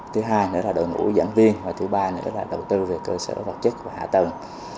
thứ hai nữa là đội ngũ giảng viên và thứ ba nữa là đầu tư về cơ sở vật chất và hạ tầng